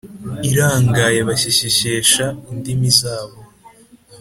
Irangaye bashyeshyesha indimi zabo